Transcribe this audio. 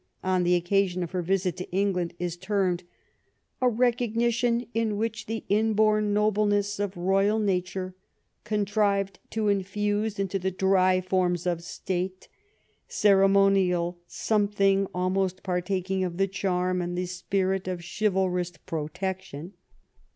on the occasion of her visit to England, is termed '* a recognition in which the inborn nobleness of royal nature contrived to infuse into the dry forms of State ceremonial something almost partaking of the charm and' the spirit of chivalrous pro tection."